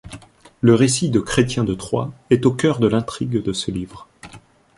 Le récit de Chrétien de Troyes est au cœur de l'intrigue de ce livre.